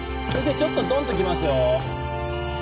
ちょっとドンときますよ